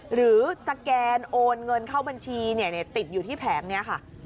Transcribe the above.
สแกนโอนเงินเข้าบัญชีติดอยู่ที่แผงนี้ค่ะ